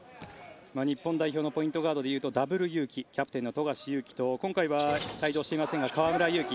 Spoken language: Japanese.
日本代表のポイントガードでいうとダブルユウキキャプテンの富樫勇樹と今回は帯同していませんが河村勇輝